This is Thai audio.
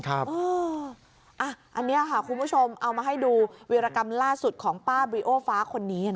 อันนี้ค่ะคุณผู้ชมเอามาให้ดูวิรกรรมล่าสุดของป้าบริโอฟ้าคนนี้